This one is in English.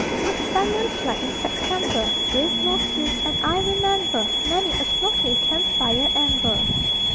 Woods by moonlight in September Breathe most sweet; and I remember Many a smoky camp fire ember.